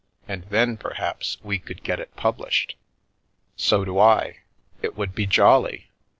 And then, perhaps, we could get it published." " So do I! It would be jolly.